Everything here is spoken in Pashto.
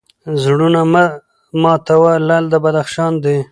زړونه مه ماتوه لعل د بدخشان دی